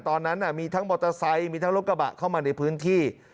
ตอนนั้นมีทั้งมอเตอร์ไซค์มีทั้งรถกระบะเข้ามาในพื้นที่